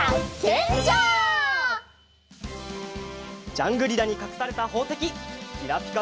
ジャングリラにかくされたほうせききらぴか